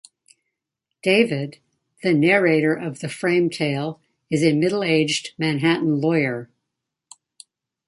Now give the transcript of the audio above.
David, the narrator of the frame tale, is a middle-aged Manhattan lawyer.